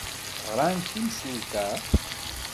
Ɣran-d i temsulta?